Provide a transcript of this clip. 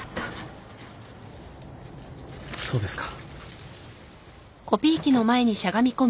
そうですか。